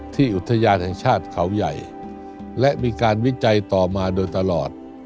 อุทยานแห่งชาติเขาใหญ่และมีการวิจัยต่อมาโดยตลอด